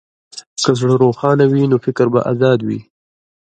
که زړه روښانه وي، نو فکر به ازاد وي.